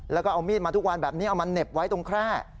แล้วก็เอามีดมาทุกวันแบบนี้เอามาเหน็บไว้ตรงแคร่